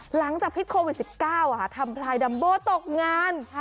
หลังจากพิษโควิด๑๙ทำพลายดัมโบตกงาน